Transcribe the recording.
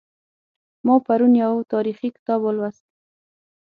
ما پرون یو تاریخي کتاب ولوست